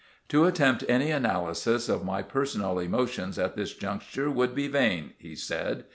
"To attempt any analysis of my personal emotions at this juncture would be vain," he said.